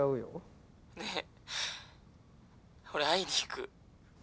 ねえ俺会いに行く。